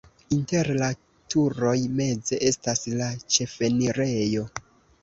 Inter la turoj meze estas la ĉefenirejo.